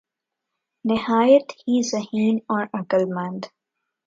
نہایت ہی ذہین اور عقل مند